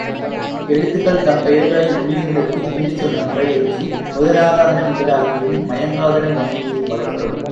எழுத்துக்கள் தம்பெயர்களை மொழியு மிடத்து ஈண்டுச் சொன்ன முறையன்றி, முதலாகாதன முதலாகியும் மயங்காதன மயங்கியும் வரப்பெறும்.